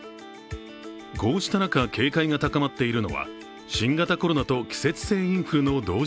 こうした中警戒が高まっているのは新型コロナと季節性インフルの同時